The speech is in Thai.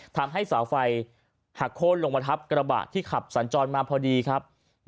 ทำให้เสาไฟหักโค้นลงมาทับกระบะที่ขับสัญจรมาพอดีครับ